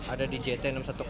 ada di jt enam ratus sepuluh